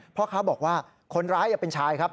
พ่อค้าบอกว่าคนร้ายเป็นชายครับ